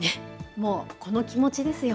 もうこの気持ちですよ。